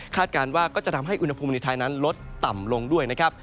การว่าก็จะทำให้อุณหภูมิในไทยนั้นลดต่ำลงด้วยนะครับ